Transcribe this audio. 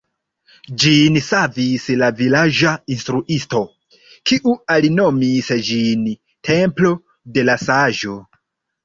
Ĝin savis la vilaĝa instruisto, kiu alinomis ĝin «Templo de la Saĝo».